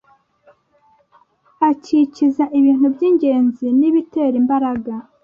akikiza "ibintu by'ingenzi n'ibitera imbaraga,